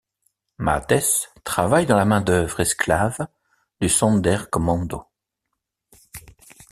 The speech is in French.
Matès travaille dans la main-d’œuvre esclave du Sonderkommando.